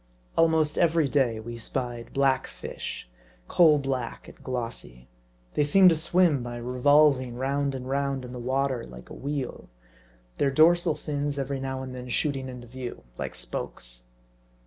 Almost every day, we spied Black Fish ; coal black and glossy. They seemed to swim by revolving round and round in the water, like a wheel ; their dorsal fins, every now and then shooting into view, like spokes.